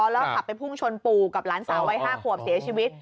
แล้วขับไปพุ่งชนปู่กับหลานสาววัย๕ขวบเสียชีวิต